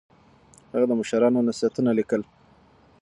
هغه د مشرانو نصيحتونه ليکل.